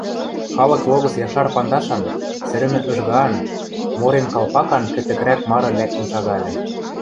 Халык логӹц якшар пандашан, сӹрӹмӹ ыжгаан, морен калпакан кӹтӹкрӓк мары лӓктӹн шагальы.